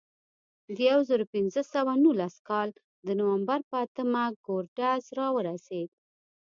د یو زرو پینځه سوه نولس کال د نومبر په اتمه کورټز راورسېد.